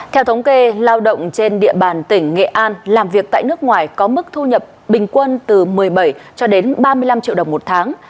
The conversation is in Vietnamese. theo thống kê lao động trên địa bàn tỉnh nghệ an làm việc tại nước ngoài có mức thu nhập bình quân từ một mươi bảy cho đến ba mươi năm triệu đồng một tháng